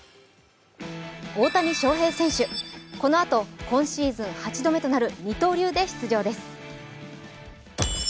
大谷翔平選手、このあと今シーズン８度目となる二刀流で出場です。